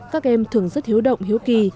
các em thường rất hiếu động hiếu kì